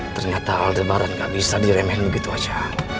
ternyata al debaran gak bisa diremen begitu aja